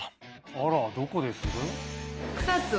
あらっどこです？